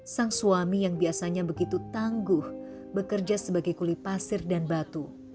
sang suami yang biasanya begitu tangguh bekerja sebagai kuli pasir dan batu